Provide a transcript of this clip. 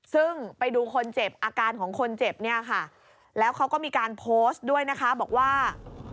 ซึ่งไปดูคนเจ็บอาการของคนเจ็บเนี่ยค่ะแล้วเขาก็มีการโพสต์ด้วยนะคะบอกว่า